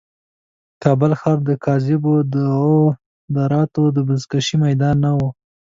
کابل ښار د کاذبو دعوه دارانو د بزکشې میدان نه و.